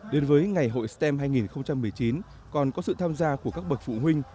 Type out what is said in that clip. đến với ngày hội stem hai nghìn một mươi chín còn có sự tham gia của các bậc phụ huynh